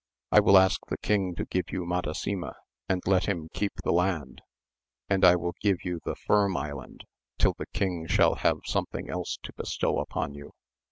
I will ask the king to give you Madasima and let him keep the land, and I will give you the Firm Island till the king shall have something else to bestow upon you.